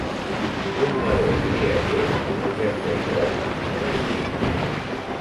Un nadó rialler amb un jersei groc amb una joguina.